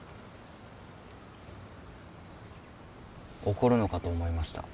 怒るのかと思いました。